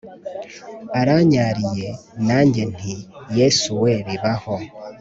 Aranyariye nange nti yesuwe bibaho